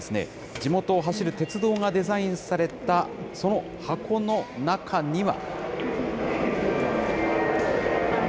地元を走る鉄道がデザインされた、その箱の中には。